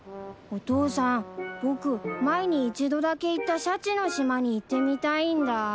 お父さん僕前に一度だけ行ったシャチの島に行ってみたいんだ。